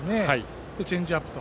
そしてチェンジアップと。